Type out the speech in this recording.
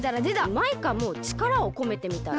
マイカもちからをこめてみたら？